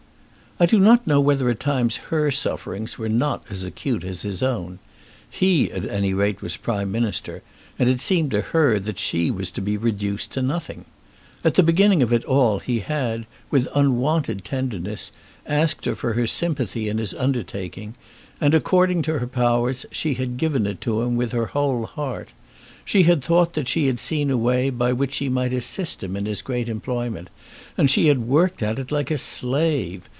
I do not know whether at times her sufferings were not as acute as his own. He, at any rate, was Prime Minister, and it seemed to her that she was to be reduced to nothing. At the beginning of it all he had, with unwonted tenderness, asked her for her sympathy in his undertaking, and, according to her powers, she had given it to him with her whole heart. She had thought that she had seen a way by which she might assist him in his great employment, and she had worked at it like a slave.